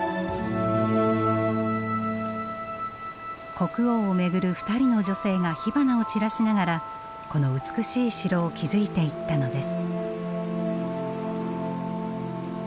国王を巡る２人の女性が火花を散らしながらこの美しい城を築いていったのです。